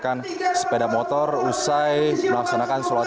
dan bisa bersama sama untuk menjaga penyelamat